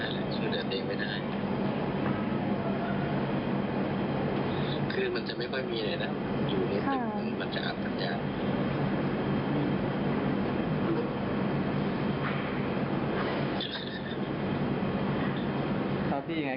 ยังช่วยเดินไปได้